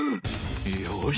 よし！